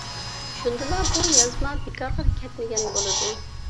شۇندىلا بۇ يازما بىكارغا كەتمىگەن بولىدۇ.